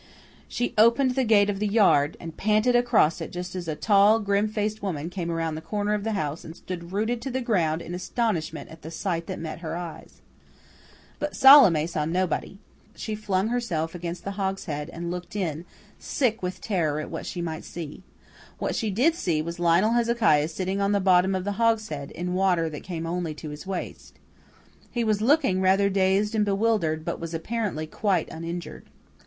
She opened the gate of the yard, and panted across it just as a tall, grim faced woman came around the corner of the house and stood rooted to the ground in astonishment at the sight that met her eyes. But Salome saw nobody. She flung herself against the hogshead and looked in, sick with terror at what she might see. What she did see was Lionel Hezekiah sitting on the bottom of the hogshead in water that came only to his waist. He was looking rather dazed and bewildered, but was apparently quite uninjured.